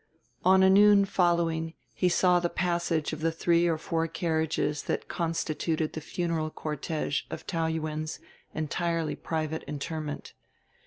On a noon following he saw the passage of the three or four carriages that constituted the funeral cortège of Taou Yuen's entirely private interment.